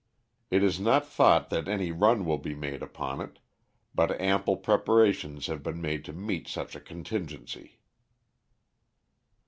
It is not thought that any run will be made upon it, but ample preparations have been made to meet such a contingency.'